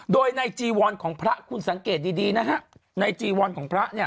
โดยในจีวรของพระคุณสังเกตดีนะฮะในจีวรของพระเนี่ย